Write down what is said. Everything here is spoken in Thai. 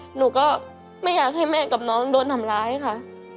หนูก็ไม่อยากให้แม่กับน้องโดนทำร้ายค่ะ